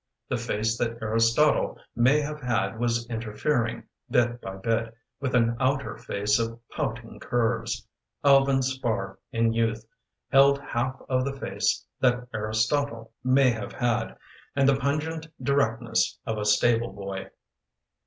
The face that Aristotle may have had Was interfering, bit by bit, With an outer face of pouting curves. Alvin Spar in youth Held half of the face that Aristotle May have had, and the pungent directness Of a stable boy.